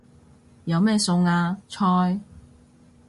有咩餸啊？菜